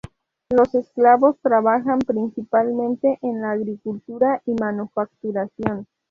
Los esclavos trabajaban principalmente en la agricultura y manufacturación.